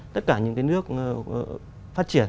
tất cả những cái nước phát triển